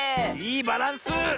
いいバランス！